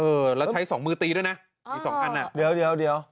เออแล้วใช้สองมือตีด้วยนะอีกสองอันอ่ะเดี๋ยวเดี๋ยว